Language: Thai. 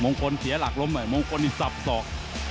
มงคลเสียหลักลบมามงคลที่ทรัพย์สอก